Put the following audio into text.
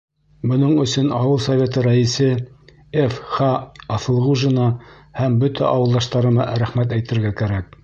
Бының өсөн ауыл Советы рәйесе Ф.Х. Аҫылғужинға һәм бөтә ауылдаштарыма рәхмәт әйтергә кәрәк.